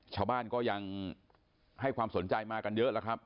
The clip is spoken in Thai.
ชาวบ้านก็ยังให้ความสนใจมากันเยอะแล้วครับ